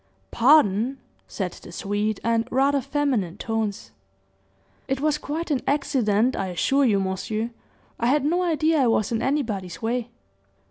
"Pardon," said the sweet, and rather feminine tones; "it was quite an accident, I assure you, monsieur. I had no idea I was in anybody's way."